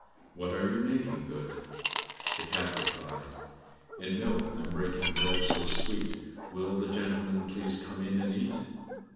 What are you making good?" The cat replied, "In milk I'm breaking bread so sweet, Will the gentleman please come in and eat?"